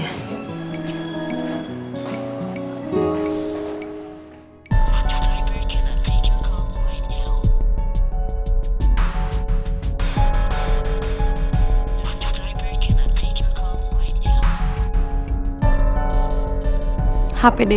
aku mau main main